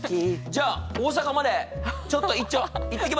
じゃあ大阪までちょっと一丁行ってきます！